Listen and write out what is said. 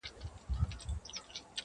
ورور له کلي لرې کيږي ډېر,